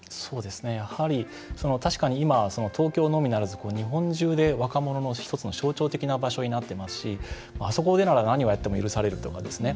やはり、確かに今東京のみならず日本中で若者の１つの象徴的な場所になっていますし、あそこでなら何をやっても許されるとかですね